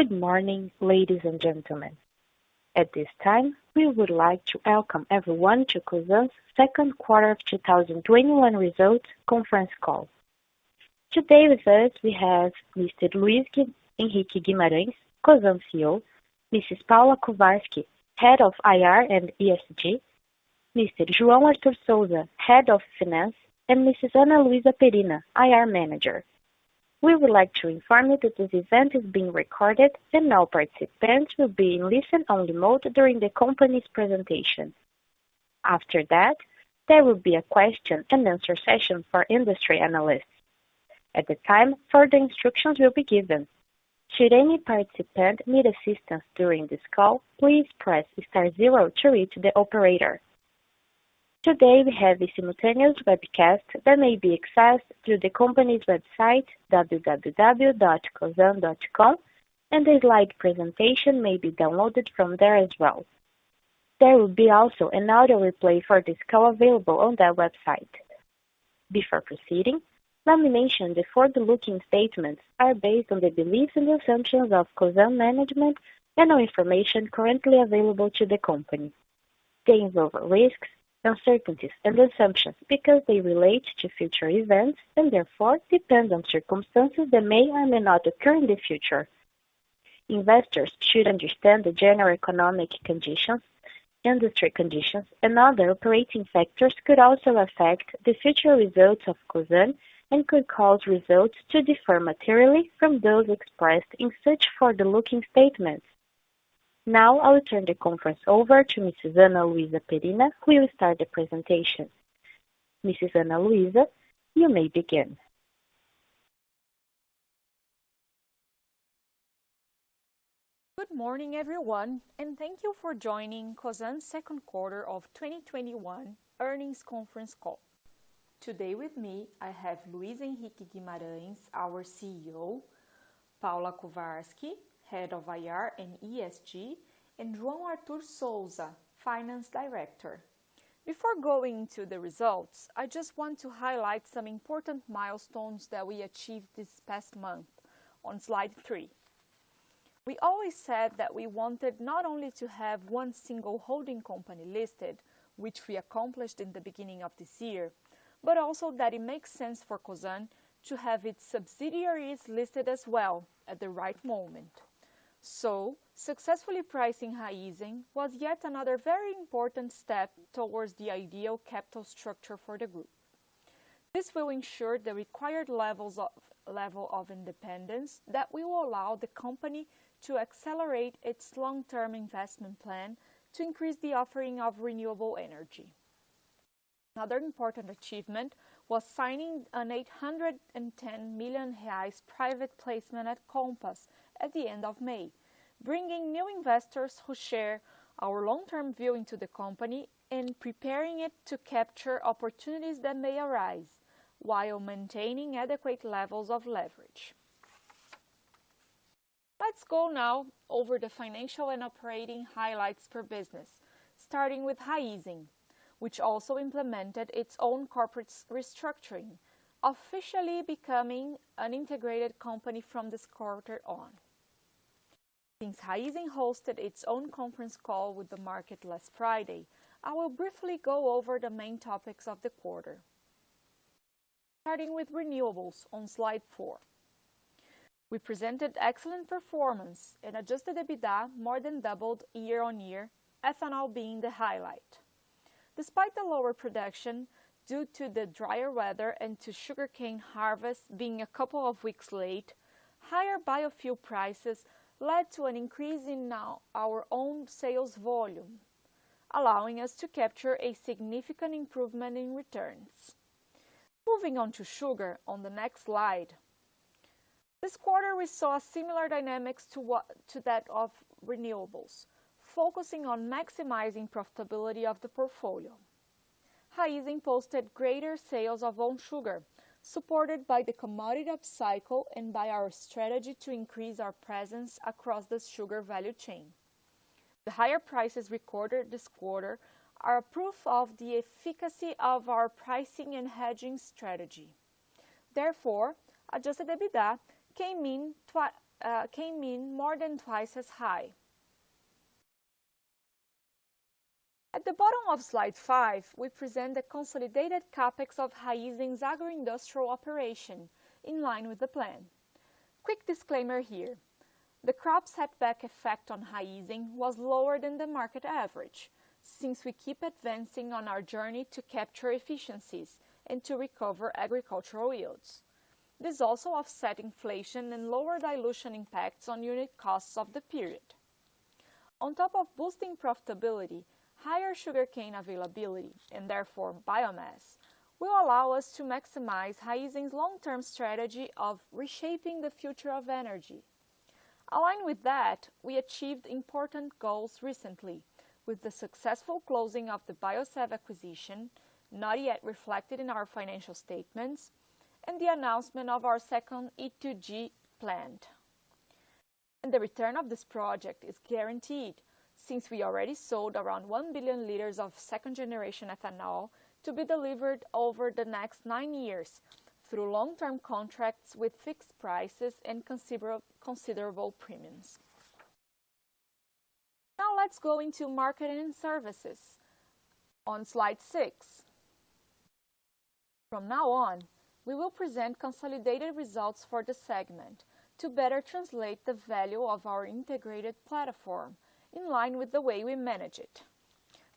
Good morning, ladies and gentlemen. At this time, we would like to welcome everyone to Cosan's Second Quarter of 2021 Results Conference Call. Today with us we have Mr. Luiz Henrique Guimarães, Cosan CEO, Mrs. Paula Kovarsky, Head of IR and ESG, Mr. João Arthur Souza, Head of Finance, and Mrs. Ana Luisa Perina, IR Manager. We would like to inform you that this event is being recorded and all participants will be in listen-only mode during the company's presentation. After that, there will be a question-and-answer session for industry analysts. At the time, further instructions will be given. Should any participant need assistance during this call, please press star zero to reach the operator. Today, we have a simultaneous webcast that may be accessed through the company's website, www.cosan.com, and a live presentation may be downloaded from there as well. There will be also an auto replay for this call available on that website. Before proceeding, some mention the forward-looking statements are based on the beliefs and the assumptions of Cosan management and on information currently available to the company. Risks, uncertainties, and assumptions because they relate to future events and therefore depend on circumstances that may or may not occur in the future. Investors should understand the general economic conditions, industry conditions, and other operating factors could also affect the future results of Cosan and could cause results to differ materially from those expressed in such forward-looking statements. Now, I'll turn the conference over to Mrs. Ana Luisa Perina, who will start the presentation. Mrs. Ana Luisa, you may begin. Good morning, everyone, and thank you for joining Cosan's second quarter of 2021 earnings conference call. Today with me, I have Luiz Henrique Guimarães, our CEO, Paula Kovarsky, head of IR and ESG, and João Arthur Souza, finance director. Before going into the results, I just want to highlight some important milestones that we achieved this past month on slide thre. We always said that we wanted not only to have one single holding company listed, which we accomplished in the beginning of this year, but also that it makes sense for Cosan to have its subsidiaries listed as well at the right moment. Successfully pricing Raízen was yet another very important step towards the ideal capital structure for the group. This will ensure the required level of independence that will allow the company to accelerate its long-term investment plan to increase the offering of renewable energy. Another important achievement was signing a 810 million reais private placement at Compass at the end of May, bringing new investors who share our long-term view into the company and preparing it to capture opportunities that may arise while maintaining adequate levels of leverage. Let's go now over the financial and operating highlights per business, starting with Raízen, which also implemented its own corporate restructuring, officially becoming an integrated company from this quarter on. Since Raízen hosted its own conference call with the market last Friday, I will briefly go over the main topics of the quarter. Starting with renewables on slide four. We presented excellent performance and adjusted EBITDA more than doubled year-on-year, ethanol being the highlight. Despite the lower production due to the drier weather and to sugarcane harvest being a couple of weeks late, higher biofuel prices led to an increase in our own sales volume, allowing us to capture a significant improvement in returns. Moving on to sugar on the next slide. This quarter, we saw similar dynamics to that of renewables, focusing on maximizing profitability of the portfolio. Raízen posted greater sales of own sugar, supported by the commodity upcycle and by our strategy to increase our presence across the sugar value chain. The higher prices recorded this quarter are a proof of the efficacy of our pricing and hedging strategy. Therefore, adjusted EBITDA came in more than twice as high. At the bottom of slide five, we present the consolidated CapEx of Raízen's agro-industrial operation in line with the plan. Quick disclaimer here. The crop setback effect on Raízen was lower than the market average, since we keep advancing on our journey to capture efficiencies and to recover agricultural yields. This also offset inflation and lower dilution impacts on unit costs of the period. On top of boosting profitability, higher sugarcane availability, and therefore biomass, will allow us to maximize Raízen's long-term strategy of reshaping the future of energy. Aligned with that, we achieved important goals recently with the successful closing of the Biosev acquisition, not yet reflected in our financial statements, and the announcement of our second E2G plant. The return of this project is guaranteed since we already sold around 1 billion liters of second-generation ethanol to be delivered over the next nine years through long-term contracts with fixed prices and considerable premiums. Now let's go into marketing services on slide six. From now on, we will present consolidated results for the segment to better translate the value of our integrated platform in line with the way we manage it.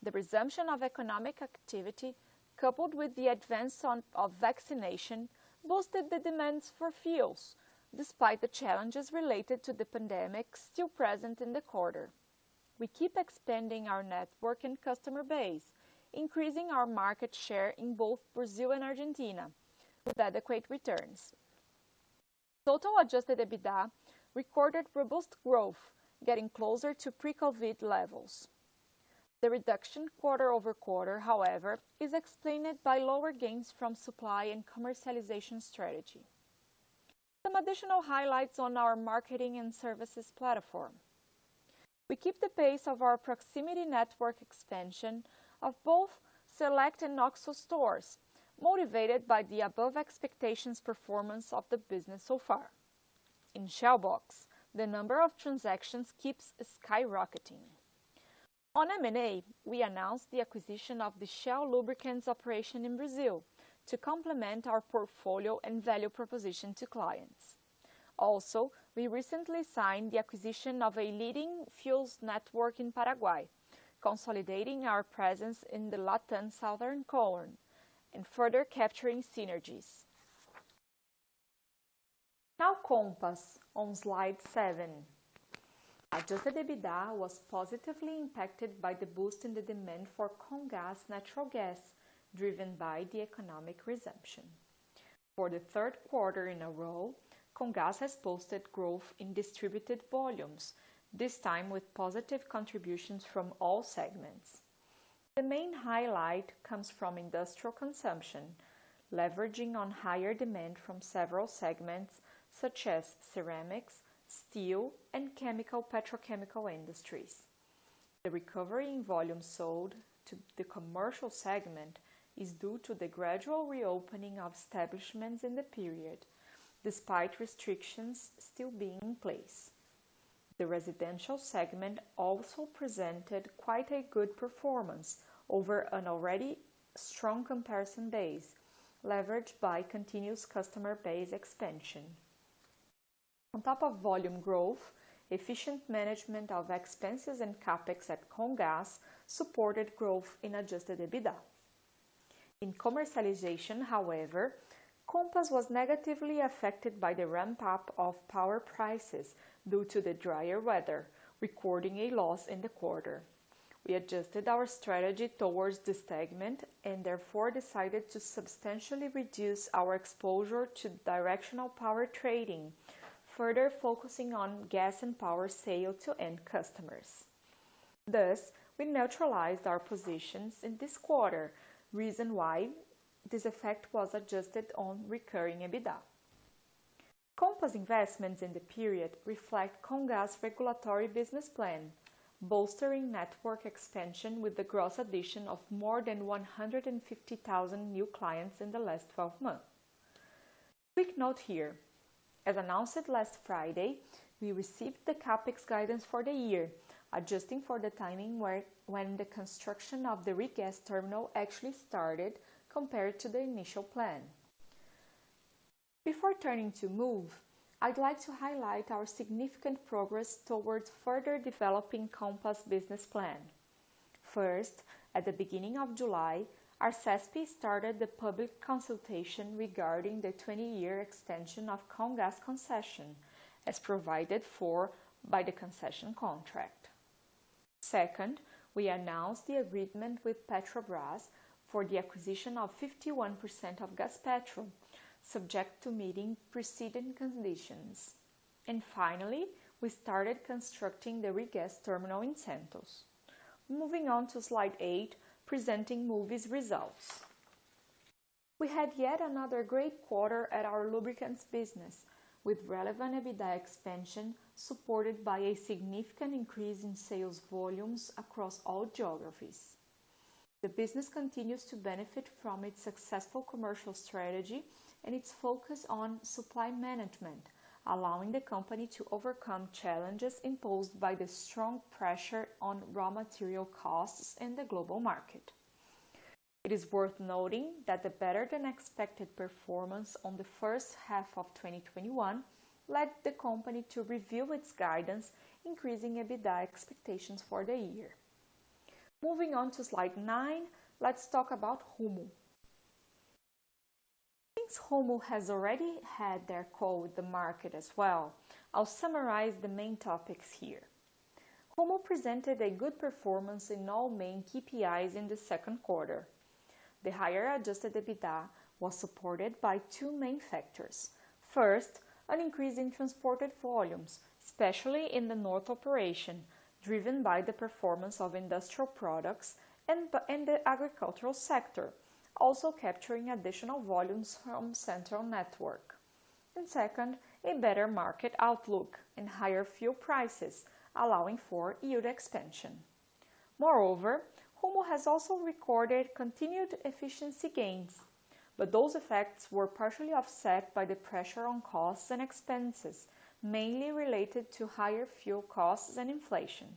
The resumption of economic activity, coupled with the advance of vaccination, boosted the demands for fuels, despite the challenges related to the pandemic still present in the quarter. We keep expanding our network and customer base, increasing our market share in both Brazil and Argentina with adequate returns. Total adjusted EBITDA recorded robust growth getting closer to pre-COVID levels. The reduction quarter-over-quarter, however, is explained by lower gains from supply and commercialization strategy. Some additional highlights on our marketing and services platform. We keep the pace of our proximity network expansion of both Shell Select and OXXO stores, motivated by the above expectations performance of the business so far. In Shell Box, the number of transactions keeps skyrocketing. On M&A, we announced the acquisition of the Shell lubricants operation in Brazil to complement our portfolio and value proposition to clients. We recently signed the acquisition of a leading fuels network in Paraguay, consolidating our presence in the Latin southern cone and further capturing synergies. Now Compass on slide seven. Adjusted EBITDA was positively impacted by the boost in the demand for Comgás natural gas driven by the economic resumption. For the third quarter in a row, Comgás has posted growth in distributed volumes, this time with positive contributions from all segments. The main highlight comes from industrial consumption, leveraging on higher demand from several segments such as ceramics, steel, and chemical petrochemical industries. The recovery in volume sold to the commercial segment is due to the gradual reopening of establishments in the period, despite restrictions still being in place. The residential segment also presented quite a good performance over an already strong comparison base, leveraged by continuous customer base expansion. On top of volume growth, efficient management of expenses and CapEx at Comgás supported growth in adjusted EBITDA. In commercialization, however, Compass was negatively affected by the ramp-up of power prices due to the drier weather, recording a loss in the quarter. We adjusted our strategy towards this segment and therefore decided to substantially reduce our exposure to directional power trading, further focusing on gas and power sale to end customers. Thus, we neutralized our positions in this quarter, reason why this effect was adjusted on recurring EBITDA. Compass investments in the period reflect Comgás regulatory business plan, bolstering network expansion with the gross addition of more than 150,000 new clients in the last 12 months. Quick note here, as announced last Friday, we received the CapEx guidance for the year, adjusting for the timing when the construction of the regasification terminal actually started compared to the initial plan. Before turning to Moove, I'd like to highlight our significant progress towards further developing Compass business plan. First, at the beginning of July, ARSESP started the public consultation regarding the 20-year extension of Comgás concession, as provided for by the concession contract. Second, we announced the agreement with Petrobras for the acquisition of 51% of Gaspetro, subject to meeting preceding conditions. Finally, we started constructing the regasification terminal in Santos. Moving on to slide eight, presenting Moove's results. We had yet another great quarter at our lubricants business, with relevant EBITDA expansion supported by a significant increase in sales volumes across all geographies. The business continues to benefit from its successful commercial strategy and its focus on supply management, allowing the company to overcome challenges imposed by the strong pressure on raw material costs in the global market. It is worth noting that the better-than-expected performance on the first half of 2021 led the company to review its guidance, increasing EBITDA expectations for the year. Moving on to slide nine, let's talk about Rumo. Since Rumo has already had their call with the market as well, I'll summarize the main topics here. Rumo presented a good performance in all main KPIs in the second quarter. The higher adjusted EBITDA was supported by two main factors. First, an increase in transported volumes, especially in the north operation, driven by the performance of industrial products and the agricultural sector, also capturing additional volumes from central network. Second, a better market outlook and higher fuel prices, allowing for yield expansion. Moreover, Rumo has also recorded continued efficiency gains, but those effects were partially offset by the pressure on costs and expenses, mainly related to higher fuel costs and inflation.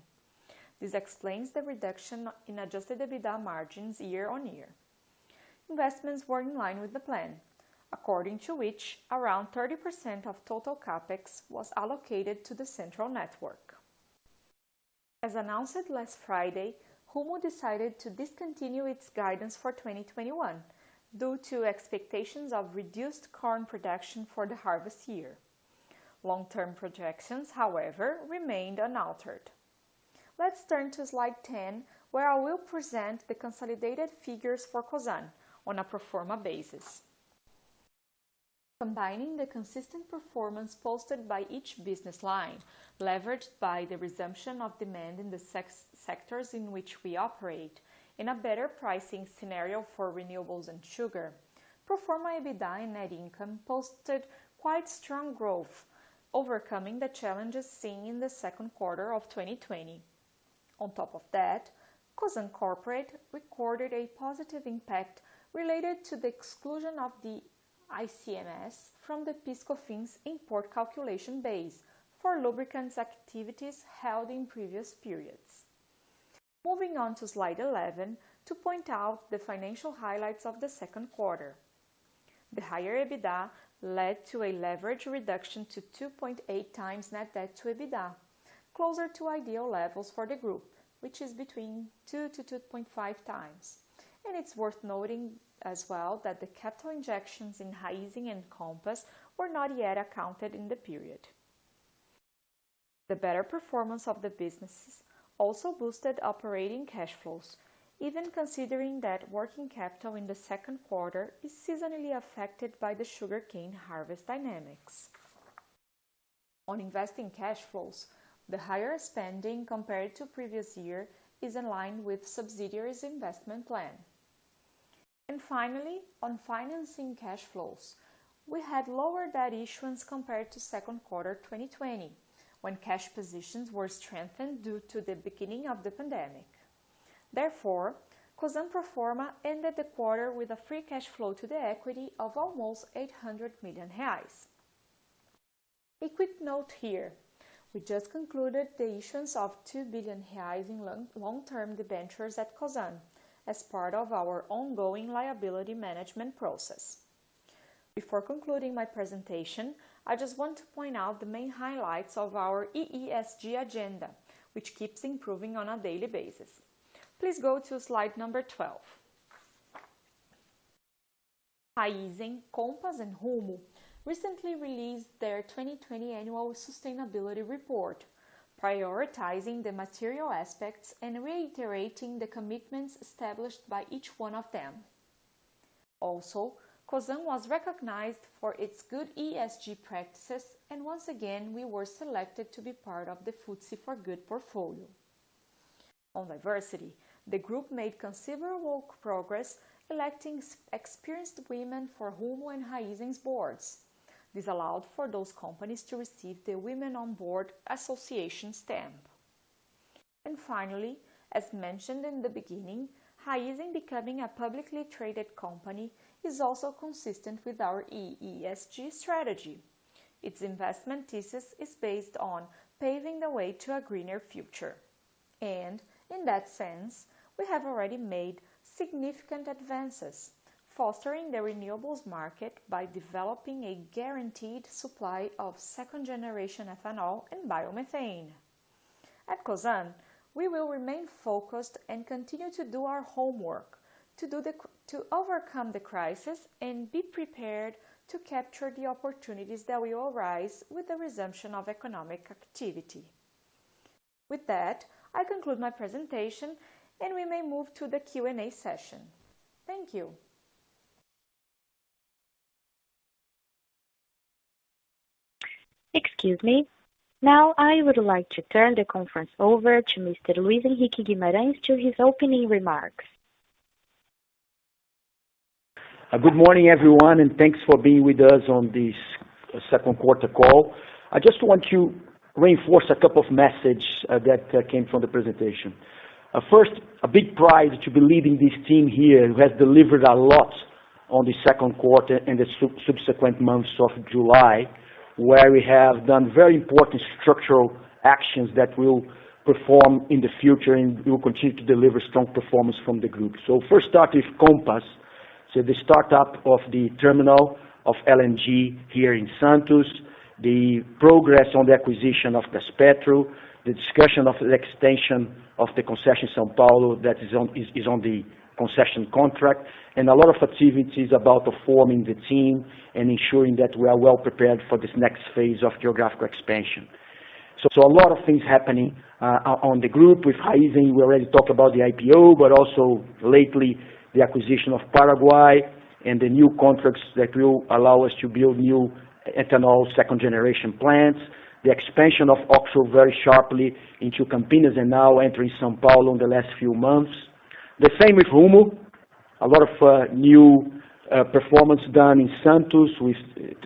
This explains the reduction in adjusted EBITDA margins year-on-year. Investments were in line with the plan, according to which around 30% of total CapEx was allocated to the central network. As announced last Friday, Rumo decided to discontinue its guidance for 2021 due to expectations of reduced corn production for the harvest year. Long-term projections, however, remained unaltered. Let's turn to slide 10, where I will present the consolidated figures for Cosan on a pro forma basis. Combining the consistent performance posted by each business line, leveraged by the resumption of demand in the sectors in which we operate, in a better pricing scenario for renewables and sugar, pro forma EBITDA and net income posted quite strong growth, overcoming the challenges seen in the second quarter of 2020. On top of that, Cosan Corporate recorded a positive impact related to the exclusion of the ICMS from the PIS/COFINS import calculation base for lubricants activities held in previous periods. Moving on to slide 11 to point out the financial highlights of the second quarter. The higher EBITDA led to a leverage reduction to 2.8x net debt to EBITDA, closer to ideal levels for the group, which is between 2x to 2.5x. It's worth noting as well that the capital injections in Raízen and Compass were not yet accounted in the period. The better performance of the businesses also boosted operating cash flows, even considering that working capital in the second quarter is seasonally affected by the sugarcane harvest dynamics. On investing cash flows, the higher spending compared to the previous year is in line with subsidiaries' investment plan. Finally, on financing cash flows, we had lower debt issuance compared to Q2 2020, when cash positions were strengthened due to the beginning of the pandemic. Therefore, Cosan pro forma ended the quarter with free cash flow to the equity of almost 800 million reais. A quick note here, we just concluded the issuance of 2 billion reais in long-term debentures at Cosan as part of our ongoing liability management process. Before concluding my presentation, I just want to point out the main highlights of our ESG agenda, which keeps improving on a daily basis. Please go to slide number 12. Raízen, Compass, and Rumo recently released their 2020 annual sustainability report, prioritizing the material aspects and reiterating the commitments established by each one of them. Also, Cosan was recognized for its good ESG practices, and once again, we were selected to be part of the FTSE4Good portfolio. On diversity, the group made considerable progress electing experienced women for Rumo and Raízen's boards. This allowed for those companies to receive the Women on Board Association stamp. Finally, as mentioned in the beginning, Raízen becoming a publicly traded company is also consistent with our ESG strategy. Its investment thesis is based on paving the way to a greener future. In that sense, we have already made significant advances fostering the renewables market by developing a guaranteed supply of second-generation ethanol and biomethane. At Cosan, we will remain focused and continue to do our homework to overcome the crisis and be prepared to capture the opportunities that will arise with the resumption of economic activity. With that, I conclude my presentation, and we may move to the Q&A session. Thank you. Excuse me. Now, I would like to turn the conference over to Mr. Luiz Henrique Guimarães to his opening remarks. Good morning, everyone, and thanks for being with us on this second quarter call. I just want to reinforce a couple of messages that came from the presentation. First, a big pride to believe in this team here who has delivered a lot on the second quarter and the subsequent months of July, where we have done very important structural actions that will perform in the future and we will continue to deliver strong performance from the group. First, start with Compass. The start-up of the terminal of LNG here in Santos, the progress on the acquisition of Gaspetro, the discussion of the extension of the concession in São Paulo that is on the concession contract, and a lot of activities about reforming the team and ensuring that we are well prepared for this next phase of geographical expansion. A lot of things happening on the group. With Raízen, we already talked about the IPO, but also lately, the acquisition of Paraguay and the new contracts that will allow us to build new ethanol second-generation plants, the expansion of OXXO very sharply into Campinas and now entering São Paulo in the last few months. The same with Rumo. A lot of new performance done in Santos with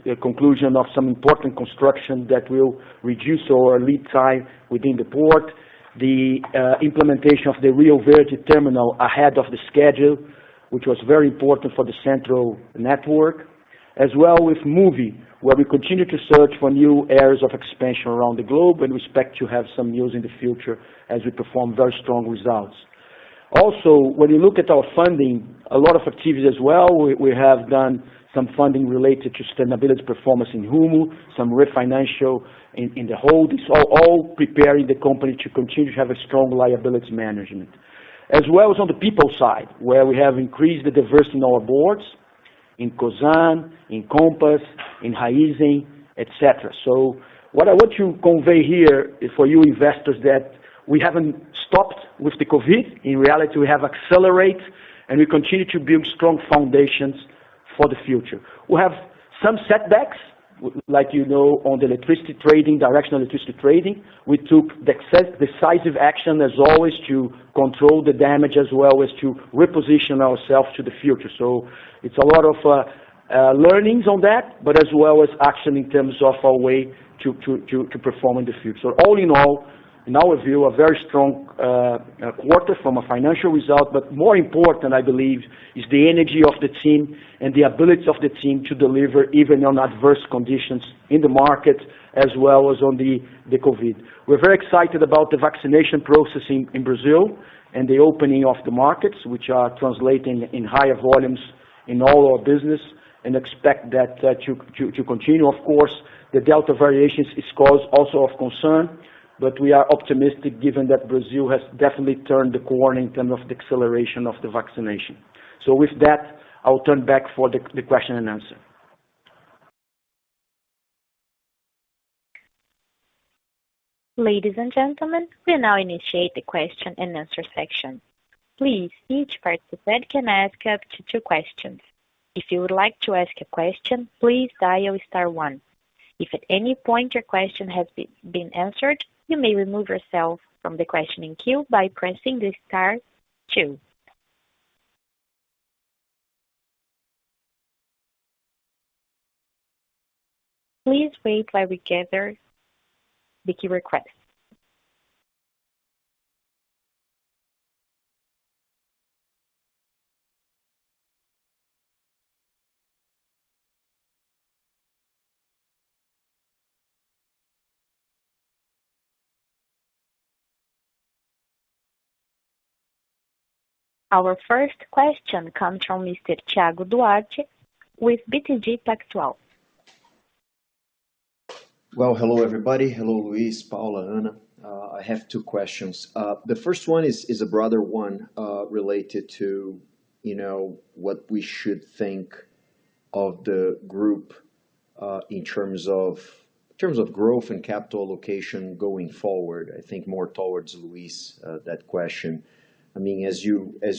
the conclusion of some important construction that will reduce our lead time within the port, the implementation of the Rio Verde Terminal ahead of the schedule, which was very important for the central network. As well with Moove, where we continue to search for new areas of expansion around the globe and we expect to have some news in the future as we perform very strong results. Also, when you look at our funding, a lot of activities as well. We have done some funding related to sustainability performance in Rumo, some refinancing in the holding. It's all preparing the company to continue to have a strong liabilities management. As well as on the people side, where we have increased the diversity in our boards, in Cosan, in Compass, in Raízen, et cetera. What I want to convey here is for you, investors, that we haven't stopped with the COVID. In reality, we have accelerate, and we continue to build strong foundations for the future. We have some setbacks, like you know, on the directional electricity trading. We took decisive action as always to control the damage as well as to reposition ourself to the future. It's a lot of learnings on that, but as well as action in terms of a way to perform in the future. All in all, in our view, a very strong quarter from a financial result, but more important, I believe, is the energy of the team and the ability of the team to deliver even on adverse conditions in the market as well as on the COVID. We're very excited about the vaccination process in Brazil and the opening of the markets, which are translating in higher volumes in all our business and expect that to continue. Of course, the Delta variant is cause also of concern, but we are optimistic given that Brazil has definitely turned the corner in terms of the acceleration of the vaccination. With that, I will turn back for the question and answer. Ladies and gentlemen, we now initiate the question and answer section. Our first question comes from Mr. Thiago Duarte with BTG Pactual. Hello, everybody. Hello, Luiz, Paula, Ana. I have two questions. The first one is a broader one related to what we should think of the group in terms of growth and capital allocation going forward, I think more towards Luiz, that question. As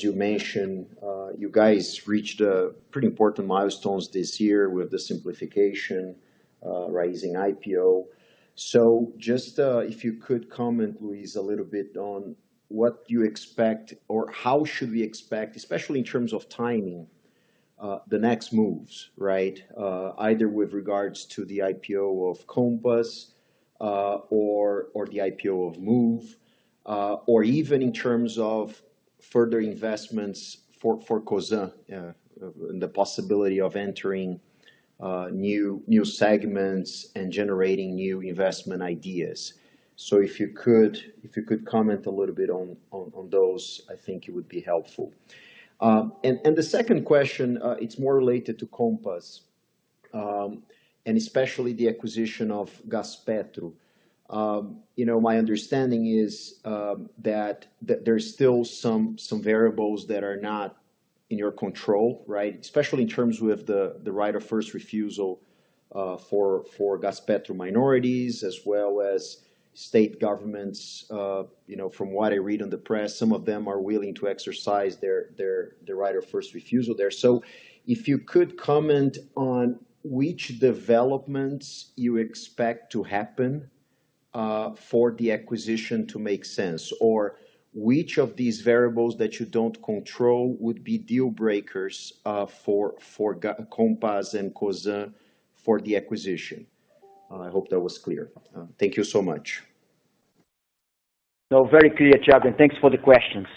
you mentioned, you guys reached pretty important milestones this year with the simplification, Raízen IPO. Just if you could comment, Luiz, a little bit on what you expect or how should we expect, especially in terms of timing the next moves. With regards to the IPO of Compass or the IPO of Moove, or even in terms of further investments for Cosan and the possibility of entering new segments and generating new investment ideas. If you could comment a little bit on those, I think it would be helpful. The second question, it's more related to Compass, and especially the acquisition of Gaspetro. My understanding is that there's still some variables that are not in your control, especially in terms with the right of first refusal for Gaspetro minorities as well as state governments. From what I read in the press, some of them are willing to exercise their right of first refusal there. If you could comment on which developments you expect to happen for the acquisition to make sense, or which of these variables that you don't control would be deal breakers for Compass and Cosan for the acquisition? I hope that was clear. Thank you so much. No, very clear, Thiago, and thanks for the questions.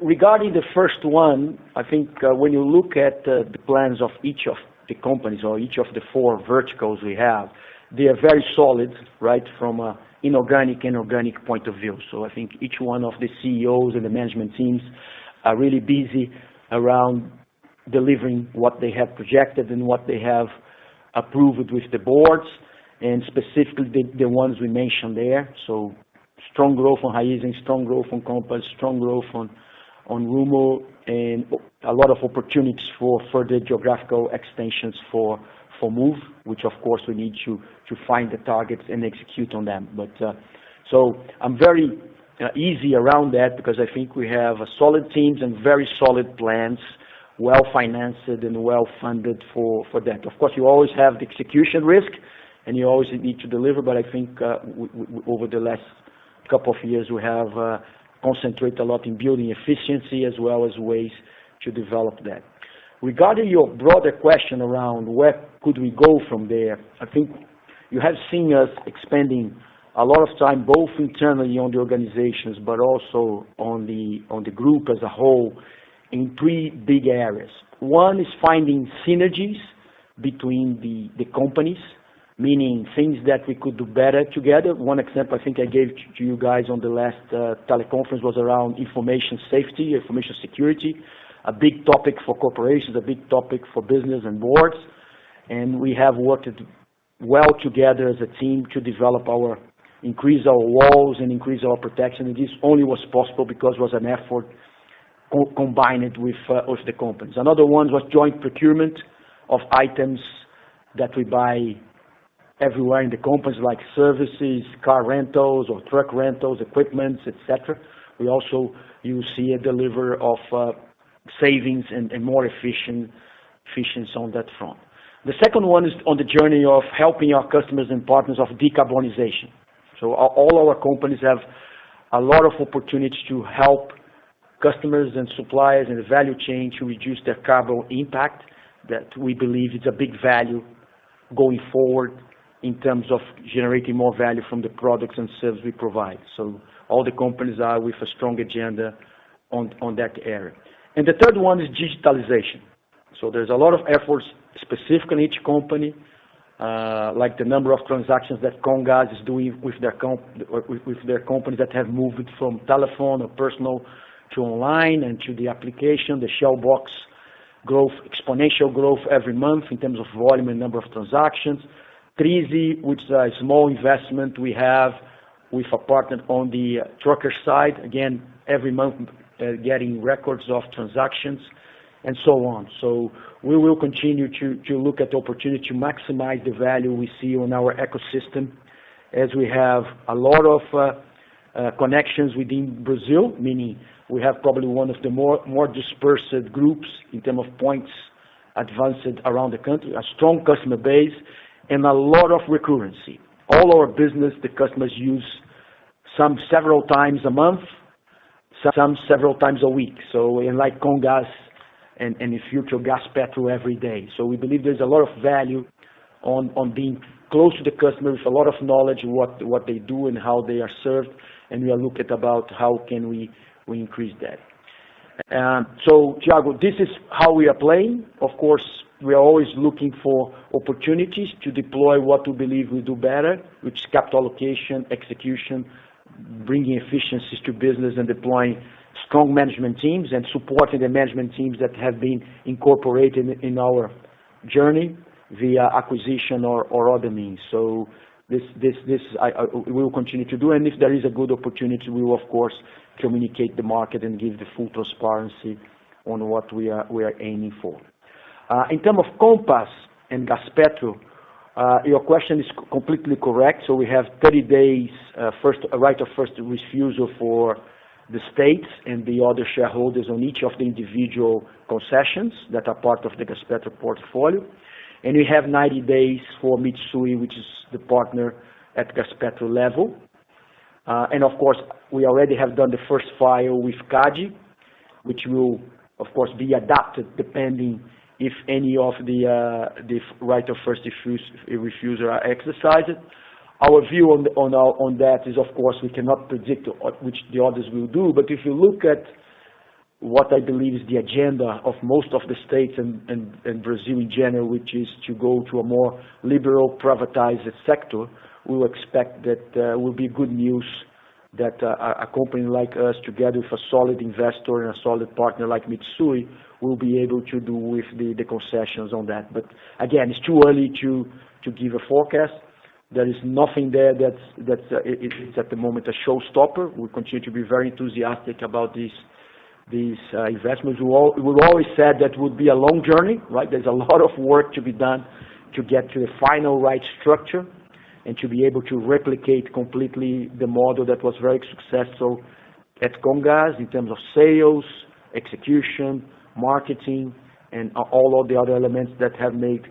Regarding the first one, I think when you look at the plans of each of the companies or each of the four verticals we have, they are very solid from an inorganic and organic point of view. I think each one of the CEOs and the management teams are really busy around delivering what they have projected and what they have approved with the boards, and specifically the ones we mentioned there. Strong growth on Raízen, strong growth on Compass, strong growth on Rumo, and a lot of opportunities for further geographical extensions for Moove, which of course we need to find the targets and execute on them. I'm very easy around that because I think we have solid teams and very solid plans, well-financed and well-funded for that. Of course, you always have the execution risk, and you always need to deliver, but I think over the last couple of years, we have concentrated a lot in building efficiency as well as ways to develop that. Regarding your broader question around where could we go from there, I think you have seen us expanding a lot of time, both internally on the organizations, but also on the group as a whole in three big areas. One is finding synergies between the companies, meaning things that we could do better together. One example I think I gave to you guys on the last teleconference was around information safety, information security, a big topic for corporations, a big topic for business and boards, and we have worked well together as a team to increase our walls and increase our protection. This only was possible because it was an effort combined with the companies. Another one was joint procurement of items that we buy everywhere in the companies, like services, car rentals or truck rentals, equipment, et cetera. We also, you see a delivery of savings and more efficiency on that front. The second one is on the journey of helping our customers and partners of decarbonization. All our companies have a lot of opportunities to help customers and suppliers in the value chain to reduce their carbon impact, that we believe is a big value going forward in terms of generating more value from the products and services we provide. All the companies are with a strong agenda on that area. The third one is digitalization. There's a lot of efforts specific in each company, like the number of transactions that Comgás is doing with their companies that have moved from telephone or personal to online and to the application. The Shell Box exponential growth every month in terms of volume and number of transactions. Trizy, which is a small investment we have with a partner on the trucker side, again, every month, getting records of transactions and so on. We will continue to look at the opportunity to maximize the value we see on our ecosystem as we have a lot of connections within Brazil, meaning we have probably one of the more dispersed groups in terms of points advanced around the country, a strong customer base, and a lot of recurrency. All our business, the customers use some several times a month, some several times a week. Like Comgás, and in future, Gaspetro every day. We believe there's a lot of value on being close to the customer with a lot of knowledge of what they do and how they are served, and we are looking about how can we increase that. Thiago, this is how we are playing. Of course, we are always looking for opportunities to deploy what we believe we do better, which is capital allocation, execution, bringing efficiencies to business, and deploying strong management teams, and supporting the management teams that have been incorporated in our journey via acquisition or other means. This we will continue to do, and if there is a good opportunity, we will of course communicate the market and give the full transparency on what we are aiming for. In term of Compass and Gaspetro, your question is completely correct. We have 30 days right of first refusal for the states and the other shareholders on each of the individual concessions that are part of the Gaspetro portfolio. We have 90 days for Mitsui, which is the partner at Gaspetro level. Of course, we already have done the first file with CADE, which will, of course, be adapted depending if any of the right of first refusal are exercised. Our view on that is, of course, we cannot predict what the others will do. If you look at what I believe is the agenda of most of the states and Brazil in general, which is to go to a more liberal privatized sector, we will expect that will be good news that a company like us together with a solid investor and a solid partner like Mitsui will be able to do with the concessions on that. Again, it's too early to give a forecast. There is nothing there that is at the moment a showstopper. We continue to be very enthusiastic about these investments. We always said that would be a long journey, right? There's a lot of work to be done to get to the final right structure and to be able to replicate completely the model that was very successful at Comgás in terms of sales, execution, marketing, and all of the other elements that have made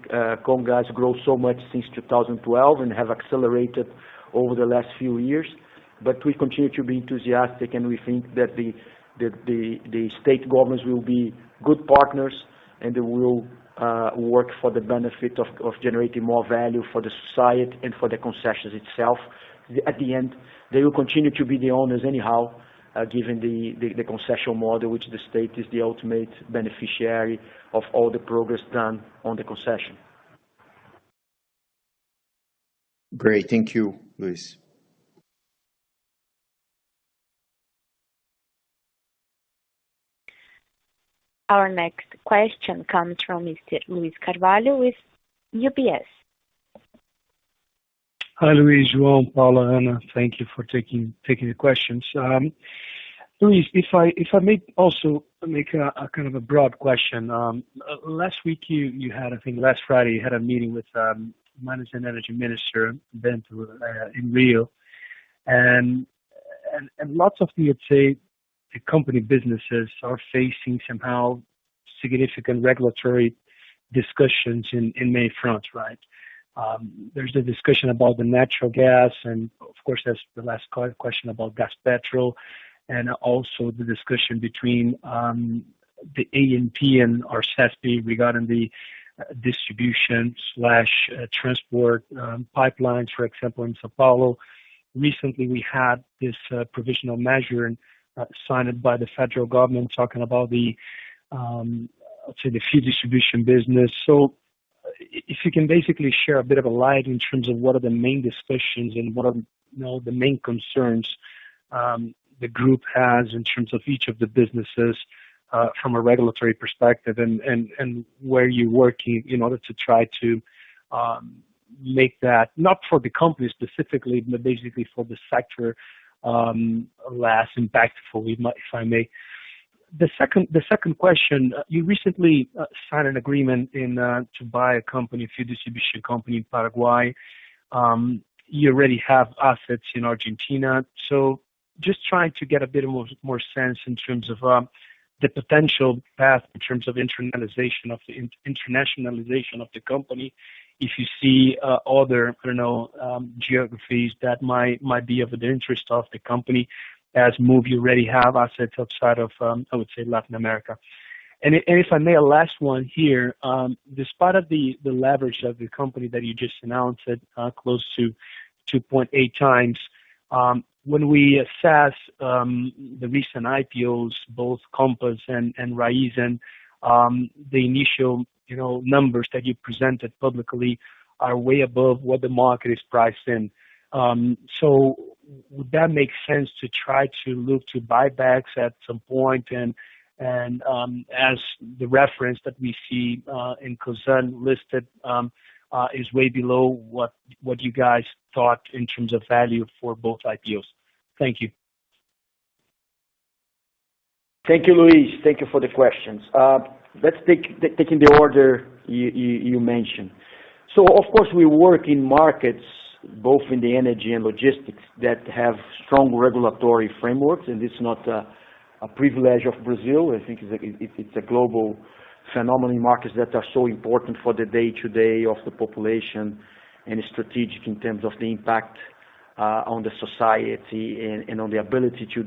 Comgás grow so much since 2012 and have accelerated over the last few years. We continue to be enthusiastic, and we think that the state governments will be good partners, and they will work for the benefit of generating more value for the society and for the concessions itself. At the end, they will continue to be the owners anyhow, given the concession model, which the state is the ultimate beneficiary of all the progress done on the concession. Great. Thank you, Luiz. Our next question comes from Mr. Luiz Carvalho with UBS. Hi, Luiz, João, Paula, Ana. Thank you for taking the questions. Luiz, if I may also make a kind of a broad question. Last week you had, I think last Friday, you had a meeting with Mines and Energy Minister in Rio. Lots of the, let's say, the company businesses are facing somehow significant regulatory discussions in many fronts, right? There's the discussion about the natural gas, and of course, there's the last question about Gaspetro, and also the discussion between the ANP and ARSESP regarding the distribution/transport pipelines, for example, in São Paulo. Recently, we had this provisional measure signed by the federal government talking about the fuel distribution business. If you can basically share a bit of a light in terms of what are the main discussions and what are the main concerns the group has in terms of each of the businesses from a regulatory perspective and where you're working in order to try to make that, not for the company specifically, but basically for the sector, less impactful, if I may. The second question, you recently signed an agreement to buy a company, a fuel distribution company in Paraguay. You already have assets in Argentina. Just trying to get a bit of more sense in terms of the potential path in terms of internationalization of the company. If you see other geographies that might be of the interest of the company as Moove, you already have assets outside of, I would say, Latin America. If I may, a last one here. Despite of the leverage of the company that you just announced at close to 2.8x, when we assess the recent IPOs, both Compass and Raízen, the initial numbers that you presented publicly are way above what the market is priced in. Would that make sense to try to look to buybacks at some point? As the reference that we see in Cosan listed is way below what you guys thought in terms of value for both IPOs. Thank you. Thank you, Luiz. Thank you for the questions. Let's take in the order you mentioned. Of course, we work in markets both in the energy and logistics that have strong regulatory frameworks, and it's not a privilege of Brazil. I think it's a global phenomenon, markets that are so important for the day-to-day of the population and strategic in terms of the impact on the society and on the ability to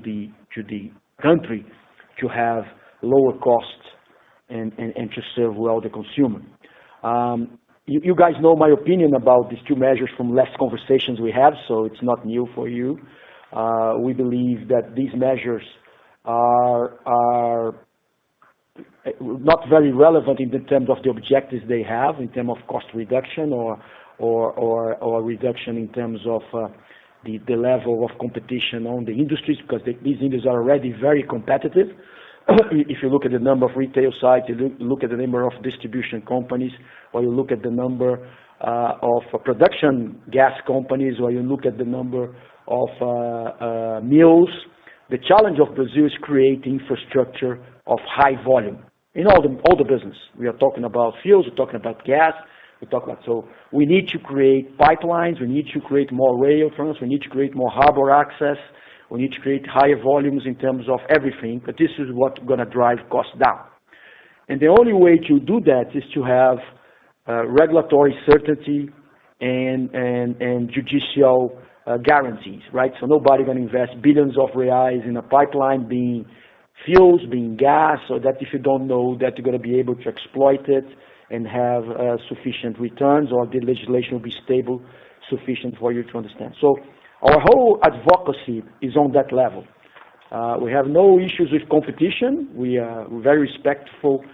the country to have lower costs and to serve well the consumer. You guys know my opinion about these two measures from last conversations we had, it's not new for you. We believe that these measures are not very relevant in terms of the objectives they have, in terms of cost reduction or reduction in terms of the level of competition on the industries, because these industries are already very competitive. If you look at the number of retail sites, you look at the number of distribution companies, or you look at the number of production gas companies, or you look at the number of mills. The challenge of Brazil is creating infrastructure of high volume in all the business. We are talking about fuels, we're talking about gas. We need to create pipelines, we need to create more rail fronts, we need to create more harbor access. We need to create higher volumes in terms of everything, that this is what going to drive costs down. The only way to do that is to have regulatory certainty and judicial guarantees, right? Nobody going to invest billions of reais in a pipeline being fuels, being gas, so that if you don't know that you're going to be able to exploit it and have sufficient returns, or the legislation will be stable, sufficient for you to understand. Our whole advocacy is on that level. We have no issues with competition. We are very respectful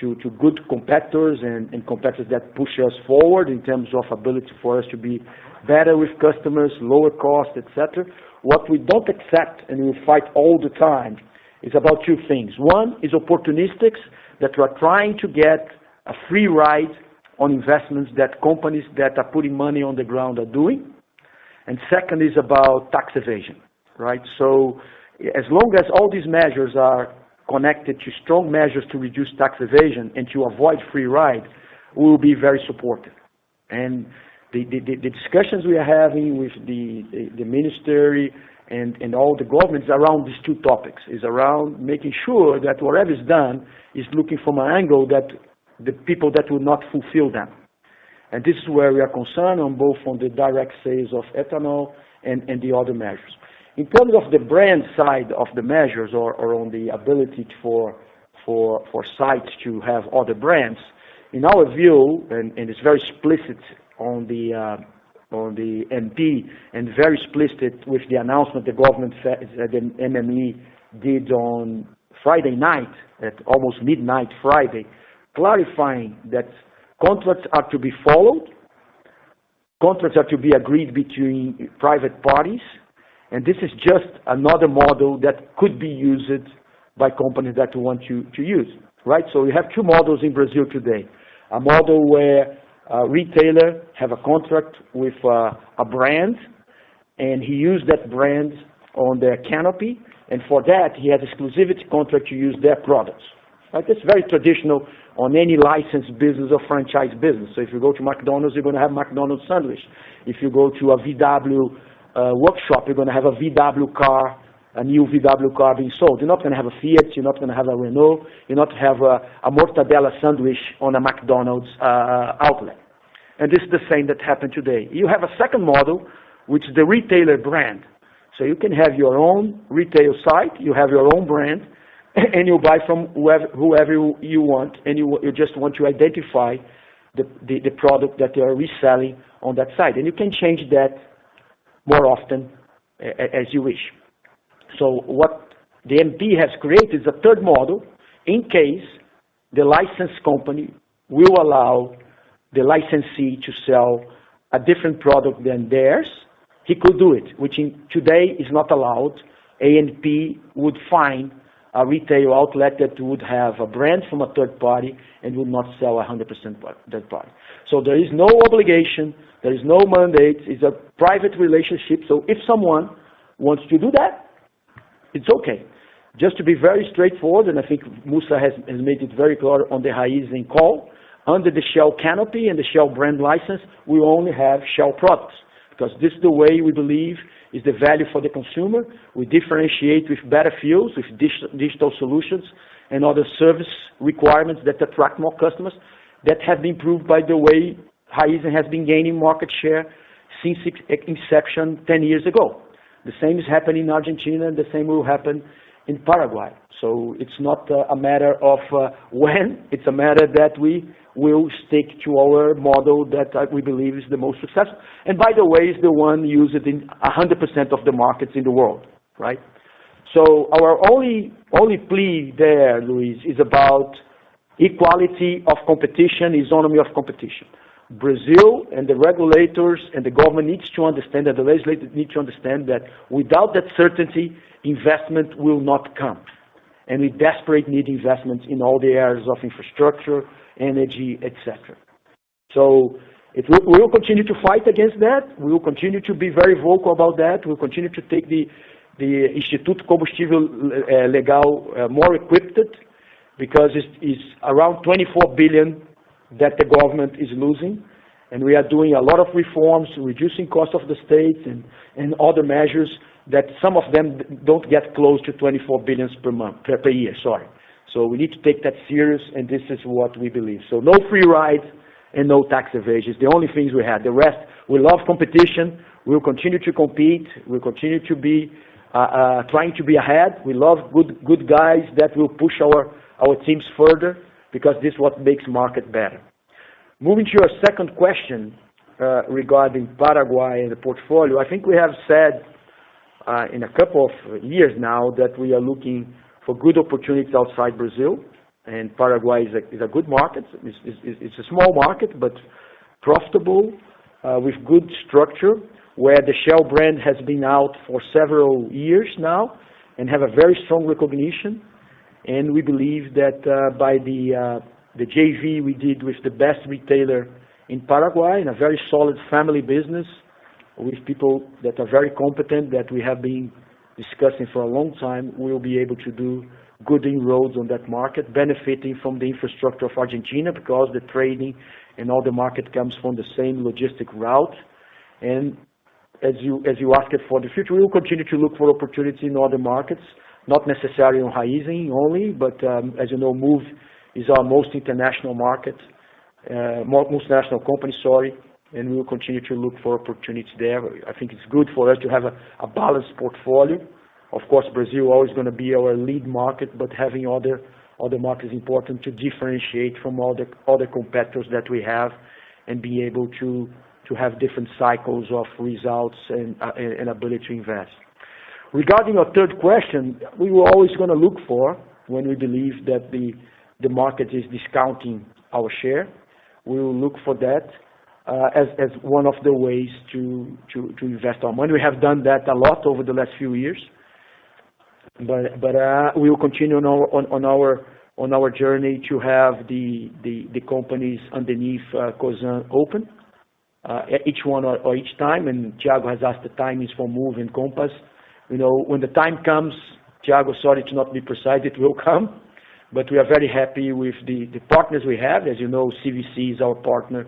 to good competitors and competitors that push us forward in terms of ability for us to be better with customers, lower cost, et cetera. What we don't accept, and we fight all the time, is about two things. One is opportunists that are trying to get a free ride on investments that companies that are putting money on the ground are doing. Second is about tax evasion, right. As long as all these measures are connected to strong measures to reduce tax evasion and to avoid free ride, we'll be very supportive. The discussions we are having with the ministry and all the governments around these two topics, is around making sure that whatever is done is looking from an angle that the people that will not fulfill that. This is where we are concerned on both on the direct sales of ethanol and the other measures. In terms of the brand side of the measures or on the ability for sites to have other brands, in our view, and it's very explicit on the MP and very explicit with the announcement the government said that MME did on Friday night, at almost midnight Friday, clarifying that contracts are to be followed, contracts are to be agreed between private parties, and this is just another model that could be used by companies that want to use, right? We have two models in Brazil today. A model where a retailer have a contract with a brand, and he used that brand on their canopy, and for that, he has exclusivity contract to use their products. It's very traditional on any licensed business or franchise business. If you go to McDonald's, you're going to have McDonald's sandwich. If you go to a VW workshop, you're going to have a new VW car being sold. You're not going to have a Fiat, you're not going to have a Renault, you're not have a mortadella sandwich on a McDonald's outlet. This is the same that happened today. You have a second model, which is the retailer brand. You can have your own retail site, you have your own brand, and you buy from whoever you want, and you just want to identify the product that they are reselling on that site. You can change that more often as you wish. What the MP has created is a third model in case the licensed company will allow the licensee to sell a different product than theirs. It could do it, which today is not allowed. ANP would fine a retail outlet that would have a brand from a third party and would not sell 100% that product. There is no obligation, there is no mandate. It's a private relationship, so if someone wants to do that, it's okay. Just to be very straightforward, and I think Mussa has made it very clear on the Raízen call, under the Shell canopy and the Shell brand license, we will only have Shell products. This is the way we believe is the value for the consumer. We differentiate with better fuels, with digital solutions, and other service requirements that attract more customers. That have been proved by the way Raízen has been gaining market share since its inception 10 years ago. The same has happened in Argentina, and the same will happen in Paraguay. It's not a matter of when, it's a matter that we will stick to our model that we believe is the most successful. By the way, is the one used in 100% of the markets in the world. Our only plea there, Luiz, is about equality of competition, economy of competition. Brazil and the regulators and the government needs to understand, and the legislators need to understand that without that certainty, investment will not come. We desperately need investments in all the areas of infrastructure, energy, et cetera. We will continue to fight against that. We will continue to be very vocal about that. We'll continue to take the Instituto Combustível Legal more equipped, because it is around 24 billion that the government is losing. We are doing a lot of reforms, reducing cost of the state, and other measures that some of them don't get close to 24 billion per year. We need to take that serious, and this is what we believe. No free rides and no tax evasions. The only things we have. The rest, we love competition. We'll continue to compete. We'll continue to be trying to be ahead. We love good guys that will push our teams further, because this is what makes market better. Moving to your second question, regarding Paraguay and the portfolio. I think we have said, in a couple of years now, that we are looking for good opportunities outside Brazil, and Paraguay is a good market. It's a small market, but profitable, with good structure, where the Shell brand has been out for several years now and have a very strong recognition. We believe that by the JV we did with the best retailer in Paraguay and a very solid family business with people that are very competent, that we have been discussing for a long time, we will be able to do good inroads on that market, benefiting from the infrastructure of Argentina, because the trading and all the market comes from the same logistic route. As you asked for the future, we will continue to look for opportunity in other markets, not necessarily on Raízen only, but, as you know, Moove is our most international company. We will continue to look for opportunities there. I think it's good for us to have a balanced portfolio. Of course, Brazil always going to be our lead market, having other markets important to differentiate from all the competitors that we have and be able to have different cycles of results and ability to invest. Regarding your third question, we will always going to look for when we believe that the market is discounting our share. We will look for that as one of the ways to invest our money. We have done that a lot over the last few years. We will continue on our journey to have the companies underneath Cosan open, each one or each time. Thiago has asked the timings for Moove and Compass. When the time comes, Thiago, sorry to not be precise, it will come. We are very happy with the partners we have. As you know, CVC is our partner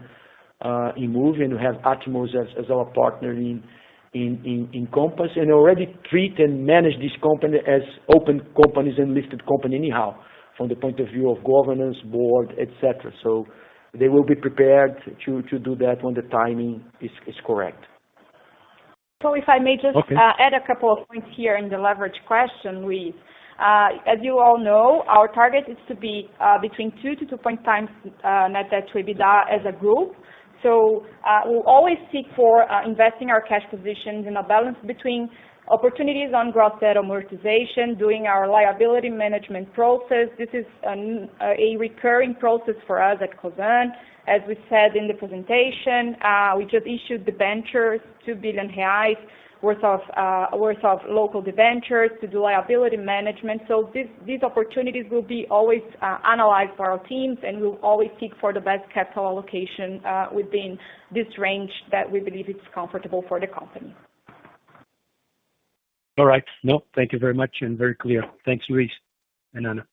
in Moove, and we have Atmos as our partner in Compass. Already treat and manage this company as open companies and listed company anyhow, from the point of view of governance, board, et cetera. They will be prepared to do that when the timing is correct. So if I may just- Okay Add a couple of points here in the leverage question, Luiz. As you all know, our target is to be between 2x to 2.5x net debt to EBITDA as a group. We'll always seek for investing our cash positions in a balance between opportunities on gross debt amortization, doing our liability management process. This is a recurring process for us at Cosan. As we said in the presentation, we just issued debentures 2 billion reais worth of local debentures to do liability management. These opportunities will be always analyzed by our teams, and we'll always seek for the best capital allocation within this range that we believe it's comfortable for the company. All right. No, thank you very much and very clear. Thanks, Luiz and Ana.